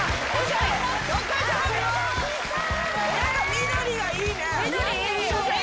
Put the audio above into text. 緑がいいね。